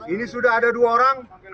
ini sudah ada dua orang